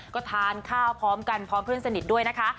ก็ทานข้าวพร้อมกันพร้อมเพื่อนสนิทด้วยนะคะ